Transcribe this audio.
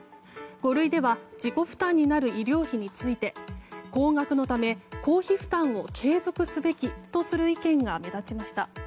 五類では自己負担になる医療費について高額のため公費負担を継続すべきとする意見が目立ちました。